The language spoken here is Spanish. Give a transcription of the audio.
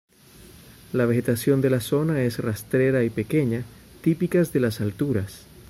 La vegetación de la zona es rastrera y pequeña, típicas de las alturas.